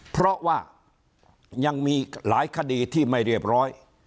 เพราะว่ายังมีหลายคดีที่ไม่เรียบร้อย